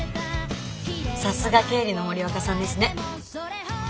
さすが経理の森若さんですね。